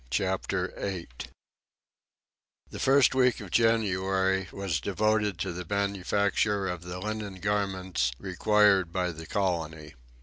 Chapter 8 The first week of January was devoted to the manufacture of the linen garments required by the colony.